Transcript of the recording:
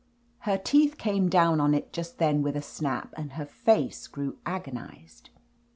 Her teeth came down on it just then with a snap and her face grew agonized.